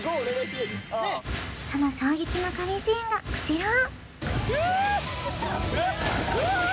その衝撃の神シーンがこちらフッ！